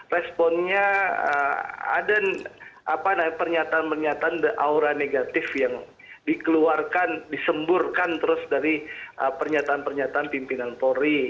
responnya ada pernyataan pernyataan aura negatif yang dikeluarkan disemburkan terus dari pernyataan pernyataan pimpinan polri